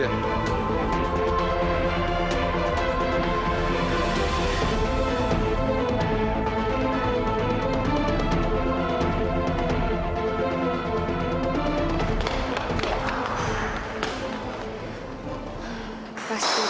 tapi dia masih gayanya